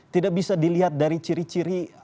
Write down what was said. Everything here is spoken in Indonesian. tidak bisa dilihat dari ciri ciri